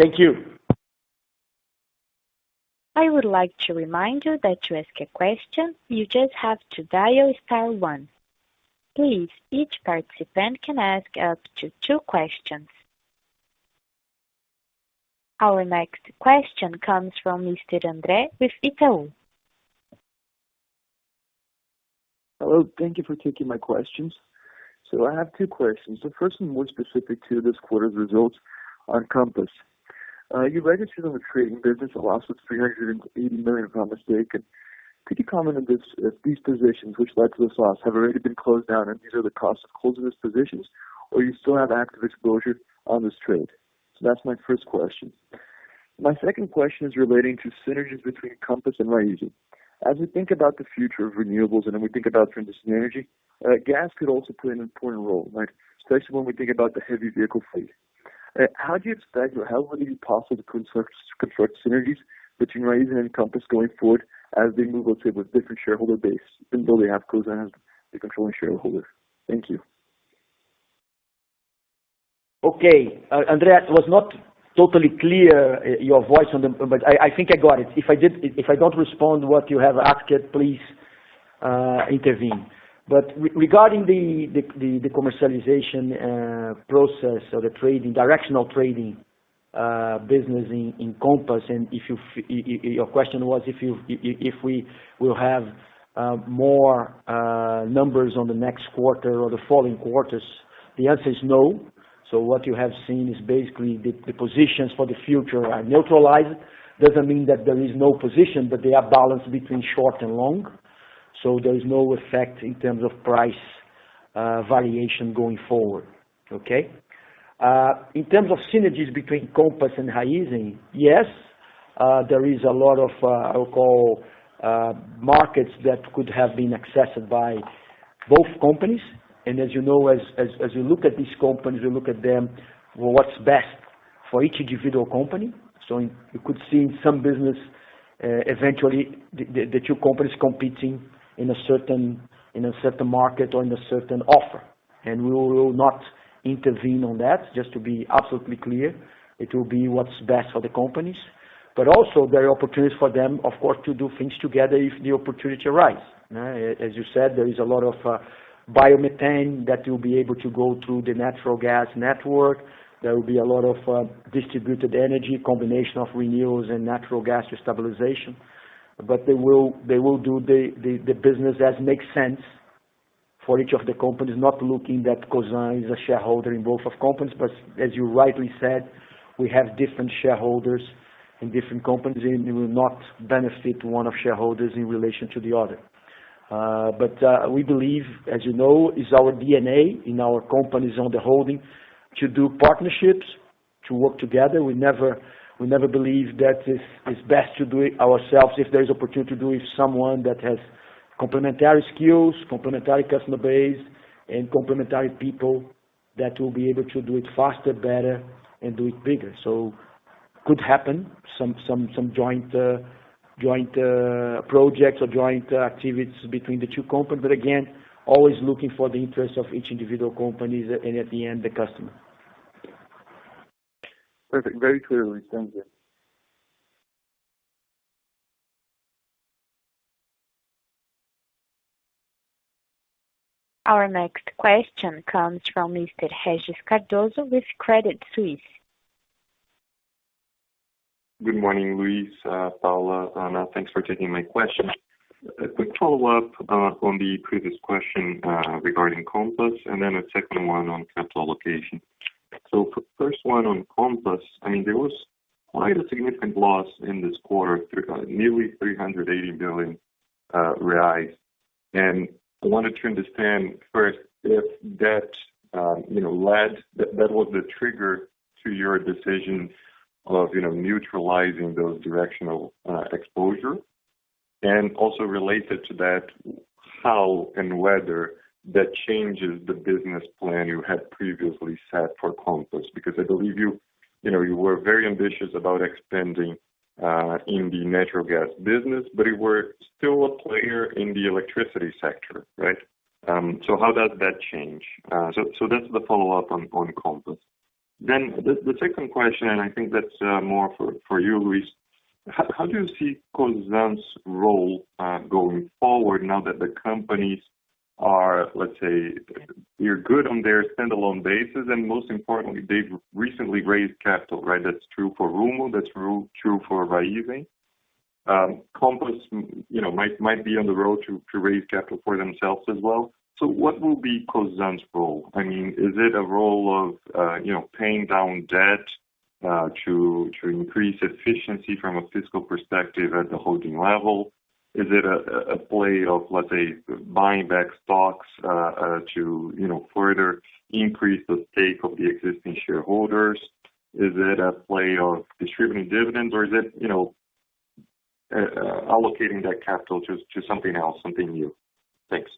Thank you. I would like to remind you that to ask a question, you just have to dial star one. Please, each participant can ask up to two questions. Our next question comes from Mr. Andre with Itaú. Hello. Thank you for taking my questions. I have two questions. The 1st one more specific to this quarter's results on Compass. You registered on a trading business a loss of 380 million, if I'm not mistaken. Could you comment on these positions which led to this loss have already been closed down, and these are the costs of closing these positions, or you still have active exposure on this trade? That's my first question. My second question is relating to synergies between Compass and Raízen. As we think about the future of renewables and then we think about transition energy, gas could also play an important role, right? Especially when we think about the heavy vehicle fleet. How do you expect, or how would it be possible to construct synergies between Raízen and Compass going forward as they move, let's say, with different shareholder base, even though they have Cosan as the controlling shareholder? Thank you. Andre, it was not totally clear your voice on the phone, but I think I got it. If I don't respond what you have asked yet, please intervene. Regarding the commercialization process or the directional trading business in Compass, and your question was if we will have more numbers on the next quarter or the following quarters, the answer is no. What you have seen is basically the positions for the future are neutralized. Doesn't mean that there is no position, but they are balanced between short and long, so there is no effect in terms of price variation going forward. In terms of synergies between Compass and Raízen, yes, there is a lot of, I'll call, markets that could have been accessed by both companies. As you know, as you look at these companies, we look at them, what's best for each individual company. You could see in some business, eventually, the two companies competing in a certain market or in a certain offer. We will not intervene on that, just to be absolutely clear. It will be what's best for the companies. Also there are opportunities for them, of course, to do things together if the opportunity arise. As you said, there is a lot of biomethane that will be able to go through the natural gas network. There will be a lot of distributed energy, combination of renewals and natural gas stabilization. They will do the business as makes sense for each of the companies, not looking that Cosan is a shareholder in both of companies. As you rightly said, we have different shareholders in different companies, and we will not benefit one of shareholders in relation to the other. We believe, as you know, it's our DNA in our companies on the holding to do partnerships, to work together. We never believe that it's best to do it ourselves if there is opportunity to do it with someone that has complementary skills, complementary customer base, and complementary people that will be able to do it faster, better, and do it bigger. Could happen, some joint projects or joint activities between the two companies. Again, always looking for the interest of each individual company, and at the end, the customer. Perfect. Very clear, Luiz. Thank you. Our next question comes from Mr. Regis Cardoso with Credit Suisse. Good morning, Luiz, Paula, Ana. Thanks for taking my questions. A quick follow-up on the previous question regarding Compass, then a second one on capital allocation. For the first one on Compass, there was quite a significant loss in this quarter, nearly 380 billion reais. I wanted to understand first if that was the trigger to your decision of neutralizing those directional exposure. Also related to that, how and whether that changes the business plan you had previously set for Compass. I believe you were very ambitious about expanding in the natural gas business, but you were still a player in the electricity sector, right? How does that change? That's the follow-up on Compass. The second question, and I think that's more for you, Luiz. How do you see Cosan's role going forward now that the companies are, let's say, you're good on their standalone basis, and most importantly, they've recently raised capital, right? That's true for Rumo, that's true for Raízen. Compass might be on the road to raise capital for themselves as well. What will be Cosan's role? Is it a role of paying down debt to increase efficiency from a fiscal perspective at the holding level? Is it a play of, let's say, buying back stocks to further increase the stake of the existing shareholders? Is it a play of distributing dividends, or is it allocating that capital to something else, something new? Thanks.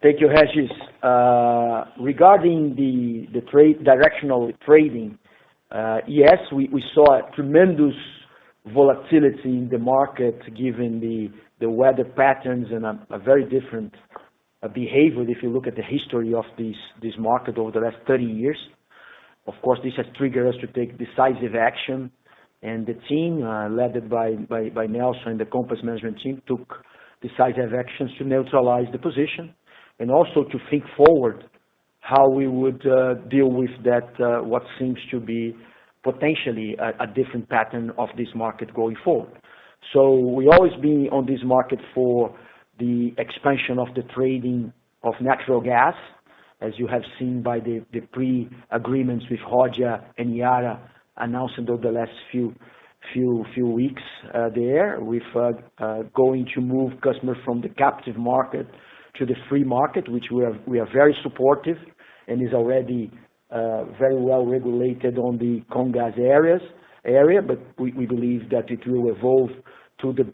Thank you, Regis. Regarding the directional trading, yes, we saw a tremendous volatility in the market given the weather patterns and a very different behavior if you look at the history of this market over the last 30 years. Of course, this has triggered us to take decisive action, and the team, led by Nelson and the Compass management team, took decisive actions to neutralize the position, and also to think forward how we would deal with what seems to be potentially a different pattern of this market going forward. We've always been on this market for the expansion of the trading of natural gas, as you have seen by the pre-agreements with Haga and Yara announced over the last few weeks there. We're going to move customers from the captive market to the free market, which we are very supportive and is already very well-regulated on the Comgás area, but we believe that it will evolve to the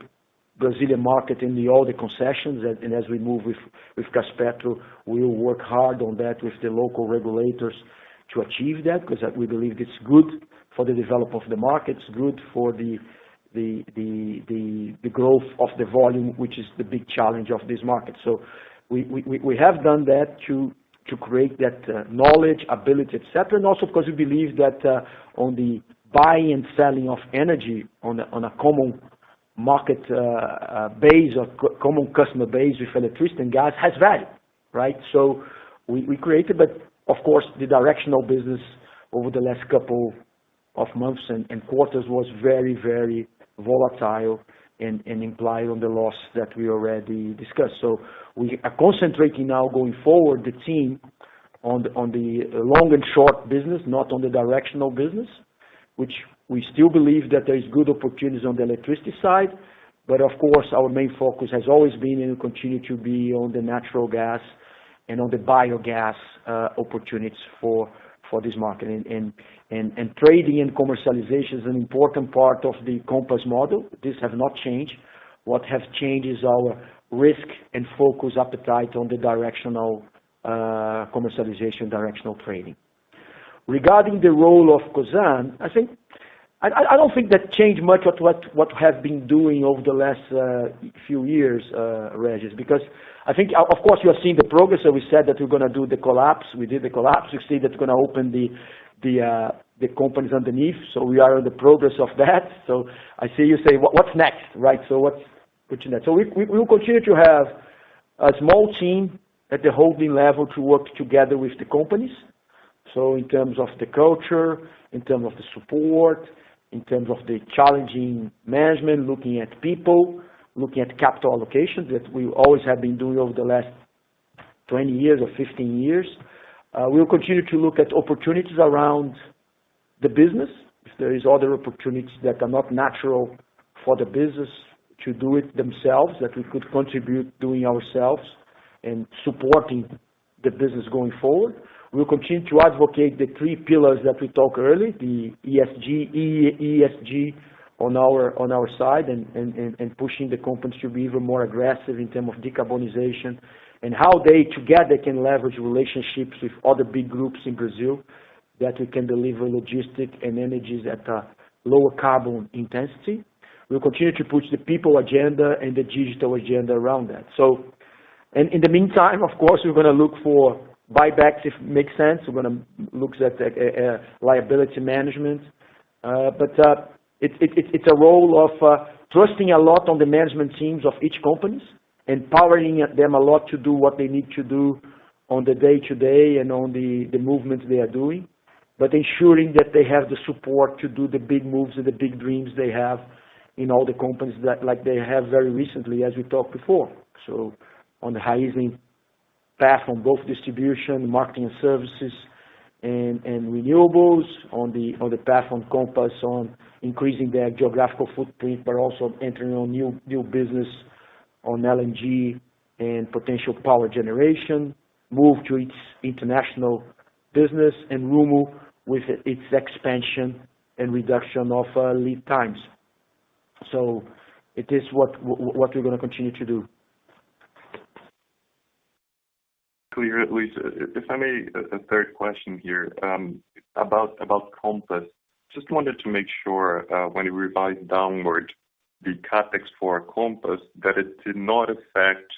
Brazilian market in all the concessions. As we move with Gaspetro, we will work hard on that with the local regulators to achieve that, because we believe it's good for the development of the market, it's good for the growth of the volume, which is the big challenge of this market. We have done that to create that knowledge, ability, et cetera. Also because we believe that on the buy and sell of energy on a common market base or common customer base with electricity and gas has value. We created, but of course, the directional business over the last couple of months and quarters was very volatile and implied on the loss that we already discussed. We are concentrating now going forward, the team, on the long and short business, not on the directional business, which we still believe that there is good opportunities on the electricity side. Of course, our main focus has always been and will continue to be on the natural gas and on the biomethane opportunities for this market. Trading and commercialization is an important part of the Compass model. This has not changed. What has changed is our risk and focus appetite on the directional commercialization, directional trading. Regarding the role of Cosan, I don't think that changed much of what we have been doing over the last few years, Regis, because I think, of course, you have seen the progress that we said that we're going to do the collapse. We did the collapse. You see that's going to open the companies underneath. We are in the progress of that. I see you say, "What's next?" What's next? We will continue to have a small team at the holding level to work together with the companies. In terms of the culture, in terms of the support, in terms of the challenging management, looking at people, looking at capital allocations, that we always have been doing over the last 20 years or 15 years. We will continue to look at opportunities around the business. If there is other opportunities that are not natural for the business to do it themselves, that we could contribute doing ourselves and supporting the business going forward. We'll continue to advocate the three pillars that we talked earlier, the ESG on our side and pushing the companies to be even more aggressive in term of decarbonization. How they together can leverage relationships with other big groups in Brazil, that we can deliver logistic and energies at a lower carbon intensity. We'll continue to push the people agenda and the digital agenda around that. In the meantime, of course, we're going to look for buybacks if it makes sense. We're going to look at liability management. It's a role of trusting a lot on the management teams of each company, empowering them a lot to do what they need to do on the day-to-day and on the movements they are doing, but ensuring that they have the support to do the big moves and the big dreams they have in all the companies, like they have very recently, as we talked before. On the Raízen path on both distribution, marketing and services, and renewables, on the path on Compass on increasing their geographical footprint, but also entering on new business on LNG and potential power generation, Moove to its international business, and Rumo with its expansion and reduction of lead times. It is what we're going to continue to do. Clear, Luiz. If I may, a third question here about Compass. Just wanted to make sure, when you revised downward the CapEx for Compass, that it did not affect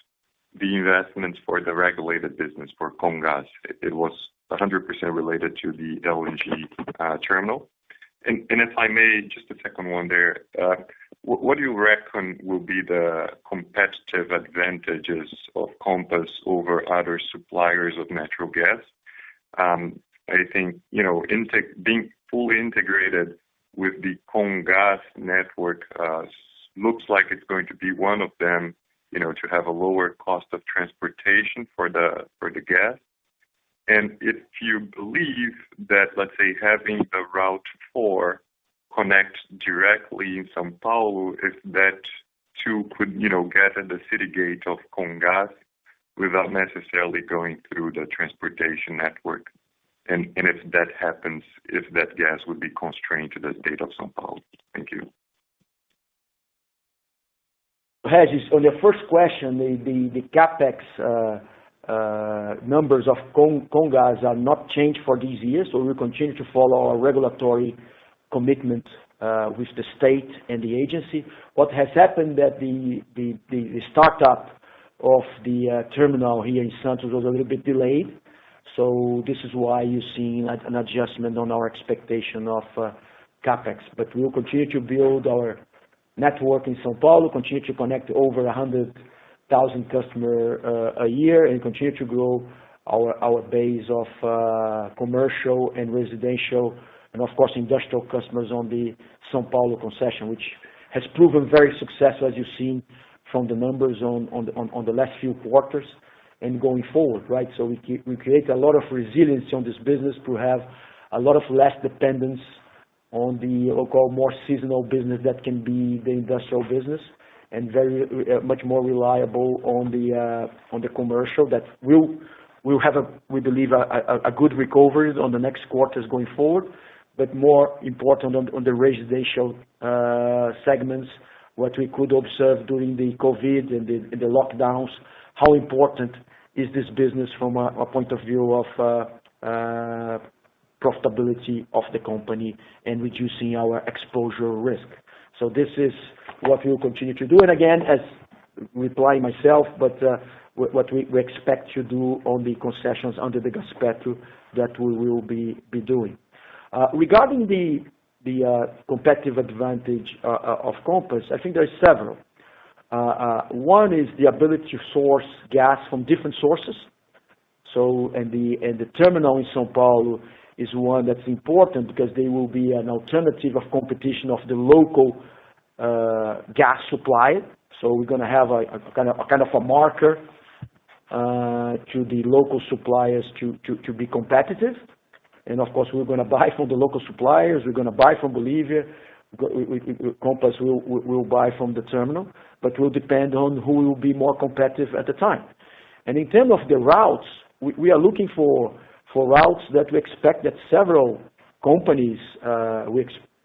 the investments for the regulated business for Comgás. It was 100% related to the LNG terminal. If I may, just a second one there. What do you reckon will be the competitive advantages of Compass over other suppliers of natural gas? I think being fully integrated with the Comgás network looks like it's going to be one of them, to have a lower cost of transportation for the gas. If you believe that, let's say, having a Rota 4 connect directly in São Paulo, if that too could get in the city gate of Comgás without necessarily going through the transportation network. If that happens, if that gas would be constrained to the state of São Paulo. Thank you. Regis, on your first question, the CapEx numbers of Comgás are not changed for these years. We continue to follow our regulatory commitment with the state and the agency. What has happened that the startup of the terminal here in Santos was a little bit delayed, this is why you're seeing an adjustment on our expectation of CapEx. We will continue to build our network in São Paulo, continue to connect over 100,000 customer a year, and continue to grow our base of commercial and residential, and of course, industrial customers on the São Paulo concession, which has proven very successful as you've seen from the numbers on the last few quarters and going forward, right? We create a lot of resilience on this business to have a lot of less dependence on the, I'll call, more seasonal business that can be the industrial business, and very much more reliable on the commercial. That we'll have, we believe, a good recovery on the next quarters going forward. More important on the residential segments, what we could observe during the COVID and the lockdowns, how important is this business from a point of view of profitability of the company and reducing our exposure risk. This is what we'll continue to do. Again, as replying myself, but what we expect to do on the concessions under the Gaspetro, that we will be doing. Regarding the competitive advantage of Compass, I think there are several. One is the ability to source gas from different sources. The terminal in São Paulo is one that's important because they will be an alternative of competition of the local gas supply. We're going to have a kind of a marker to the local suppliers to be competitive. Of course, we're going to buy from the local suppliers, we're going to buy from Bolivia, Compass will buy from the terminal, but will depend on who will be more competitive at the time. In term of the routes, we are looking for routes that we expect that several companies,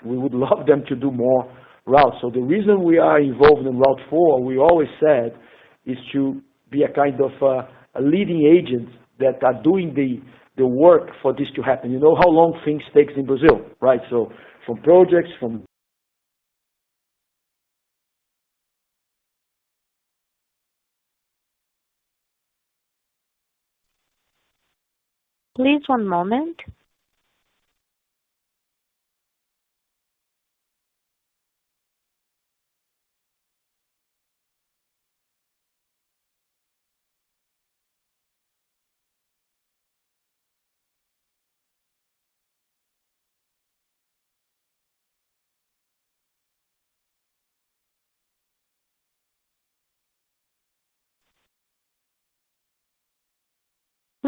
we would love them to do more routes. The reason we are involved in Rota 4, we always said, is to be a kind of a leading agent that are doing the work for this to happen. You know how long things takes in Brazil, right?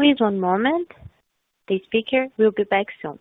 Please one moment. The speaker will be back soon.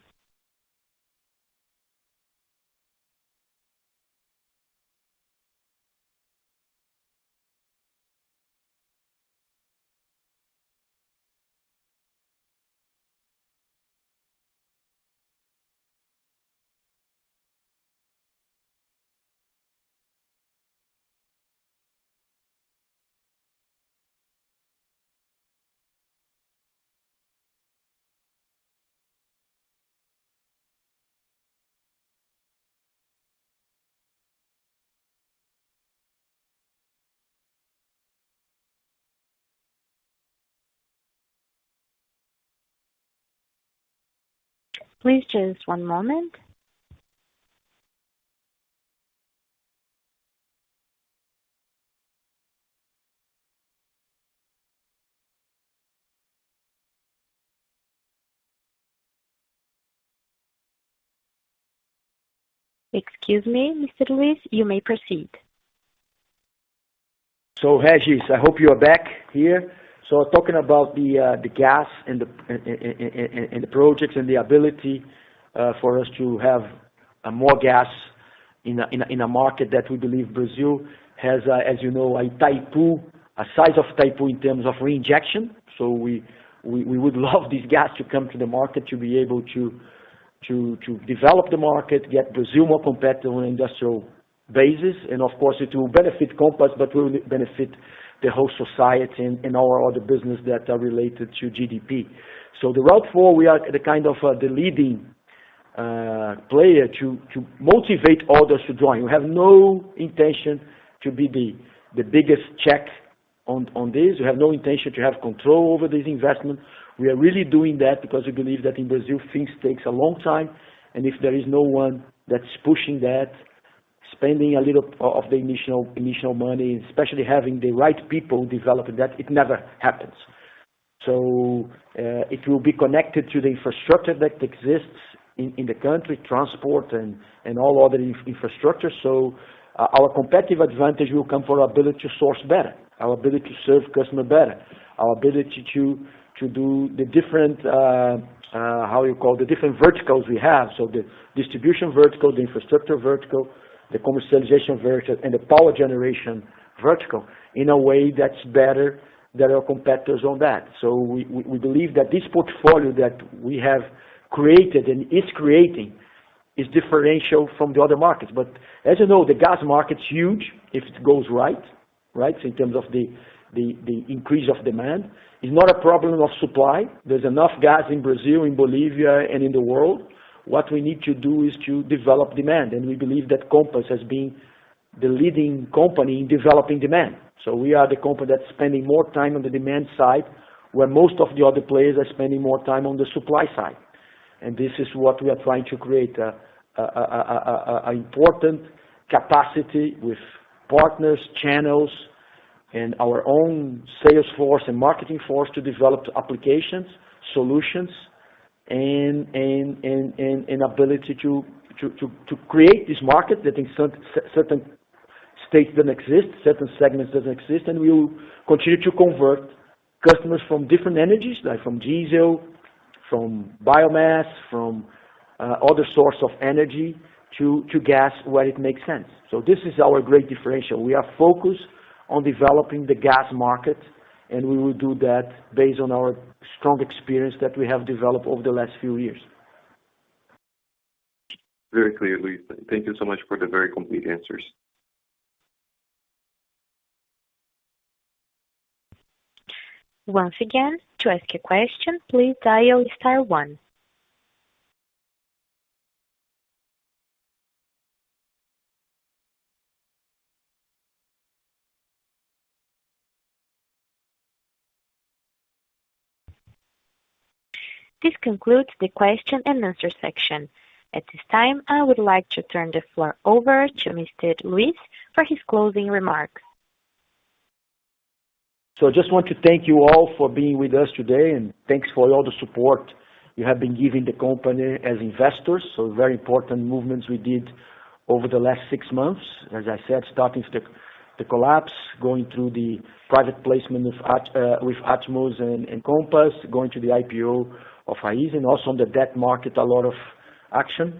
Please just one moment. Excuse me, Mr. Luiz, you may proceed. Regis, I hope you are back here. Talking about the gas and the projects and the ability for us to have more gas in a market that we believe Brazil has a, as you know, a size of Itaipu in terms of reinjection. We would love this gas to come to the market to be able to develop the market, get Brazil more competitive on industrial basis, and of course it will benefit Compass, but will benefit the whole society and our other business that are related to GDP. The Rota 4, we are the kind of the leading player to motivate others to join. We have no intention to be the biggest check on this. We have no intention to have control over this investment. We are really doing that because we believe that in Brazil, things takes a long time, and if there is no one that's pushing that, spending a little of the initial money, and especially having the right people developing that, it never happens. It will be connected to the infrastructure that exists in the country, transport and all other infrastructure. Our competitive advantage will come from our ability to source better, our ability to serve customer better, our ability to do the different verticals we have. The distribution vertical, the infrastructure vertical, the commercialization vertical, and the power generation vertical in a way that's better than our competitors on that. We believe that this portfolio that we have created and is creating is differential from the other markets. As you know, the gas market's huge if it goes right, in terms of the increase of demand. It's not a problem of supply. There's enough gas in Brazil, in Bolivia, and in the world. What we need to do is to develop demand, and we believe that Compass has been the leading company in developing demand. We are the company that's spending more time on the demand side, when most of the other players are spending more time on the supply side. This is what we are trying to create, an important capacity with partners, channels, and our own sales force and marketing force to develop applications, solutions, and ability to create this market that in certain states doesn't exist, certain segments doesn't exist, and we will continue to convert customers from different energies, like from diesel, from biomass, from other source of energy to gas where it makes sense. This is our great differential. We are focused on developing the gas market, and we will do that based on our strong experience that we have developed over the last few years. Very clear, Luiz. Thank you so much for the very complete answers. This concludes the question and answer section. At this time, I would like to turn the floor over to Mr. Luiz for his closing remarks. I just want to thank you all for being with us today, and thanks for all the support you have been giving the company as investors. Very important movements we did over the last six months. As I said, starting with Compass, going through the private placement with Atmos and Compass, going to the IPO of Raízen, also on the debt market, a lot of action.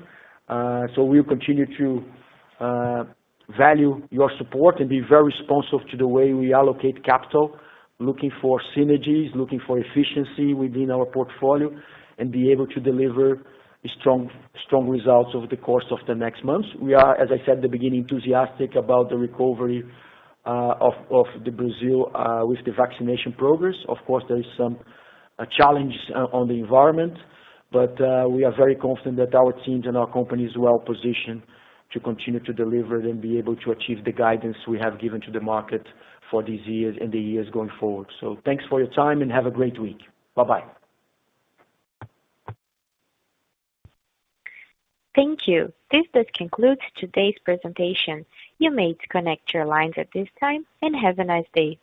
We'll continue to value your support and be very responsive to the way we allocate capital, looking for synergies, looking for efficiency within our portfolio, and be able to deliver strong results over the course of the next months. We are, as I said at the beginning, enthusiastic about the recovery of Brazil with the vaccination progress. Of course, there is some challenges on the environment, We are very confident that our teams and our company is well-positioned to continue to deliver and be able to achieve the guidance we have given to the market for these years and the years going forward. Thanks for your time, and have a great week. Bye-bye. Thank you. This does conclude today's presentation. You may disconnect your lines at this time, and have a nice day.